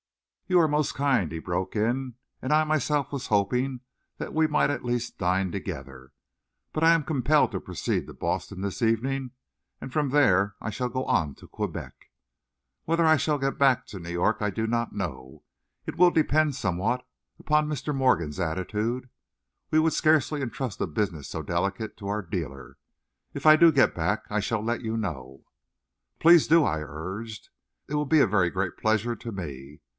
"You are most kind," he broke in, "and I was myself hoping that we might at least dine together. But I am compelled to proceed to Boston this evening, and from there I shall go on to Quebec. Whether I shall get back to New York I do not know it will depend somewhat upon Mr. Morgan's attitude; we would scarcely entrust a business so delicate to our dealer. If I do get back, I shall let you know." "Please do," I urged. "It will be a very great pleasure to me.